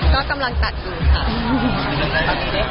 ก็กำลังตัดอยู่ค่ะ